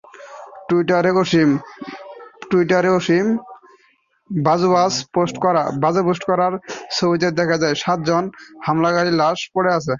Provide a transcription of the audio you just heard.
টুইটারে অসীম বাজওয়ার পোস্ট করা ছবিতে দেখা যায়, সাতজন হামলাকারীর লাশ পড়ে আছে।